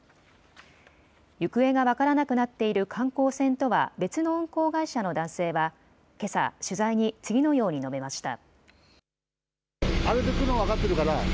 行方が分からなくなっている観光船とは別の運航会社の男性はけさ取材に次のように述べました。